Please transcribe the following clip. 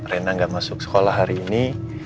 rena gak masuk sekolah hari ini